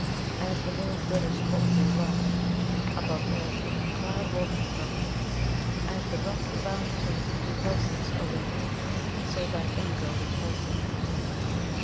"As the moon glitters coldly alone, Above earth on her cloud woven throne, As the rocky bound cave repulses a wave, So thy anger repulseth me.